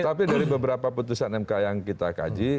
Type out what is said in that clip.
tapi dari beberapa putusan mk yang kita kaji